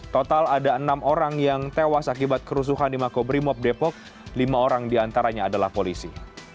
total ada enam orang yang tewas akibat kerusuhan di makobrimob depok lima orang diantaranya adalah polisi